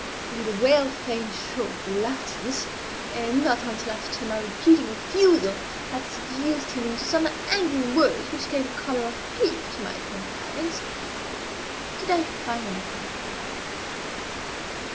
With a well feigned show of reluctance, and not until after my repeated refusal had seduced him into some angry words which gave a color of pique to my compliance, did I finally comply.